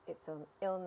itu adalah kesalahan